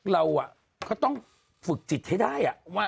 เราก็ต้องฝึกจิตให้ได้